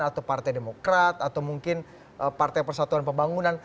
atau partai demokrat atau mungkin partai persatuan pembangunan